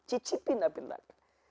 cicipin api neraka